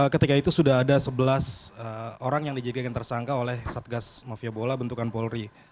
ketika itu sudah ada sebelas orang yang dijadikan tersangka oleh satgas mafia bola bentukan polri